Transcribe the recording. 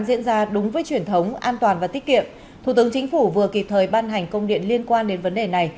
diễn ra đúng với truyền thống an toàn và tiết kiệm thủ tướng chính phủ vừa kịp thời ban hành công điện liên quan đến vấn đề này